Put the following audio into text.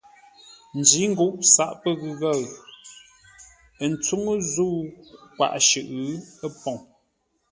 Njǐ nguʼ saʼ pə́ ghəghəʉ ə́ tsúŋú zə́u kwaʼ shʉʼʉ ə́ poŋ.